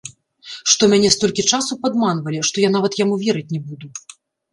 Што мяне столькі часу падманвалі, што я нават яму верыць не буду.